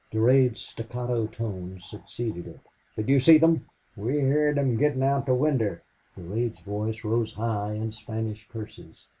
Durade's staccato tones succeeded it. "Did you see them?" "We heerd them gettin' out the winder." Durade's voice rose high in Spanish curses.